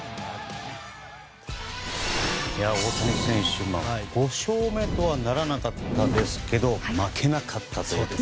大谷選手、５勝目とはならなかったですが負けなかったという。